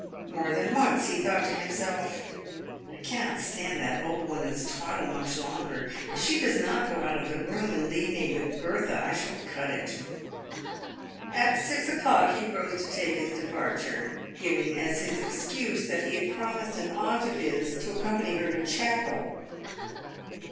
More than once he thought to himself, " I cannot stand that old woman's twaddle much longer. If she does not go out of the room, and leave me with Bertha, I shall cut it." At six o'clock he rose to take his departure, giving as his excuse that he had promised an aunt of his to accompany her to chapel.